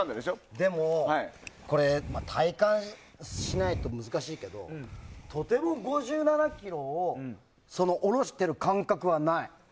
でも、体感しないと難しいけどとても５７ｋｇを下ろしている感覚はない。